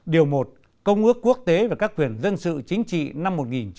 điều một công ước quốc tế và các quyền dân sự chính trị năm một nghìn chín trăm sáu mươi sáu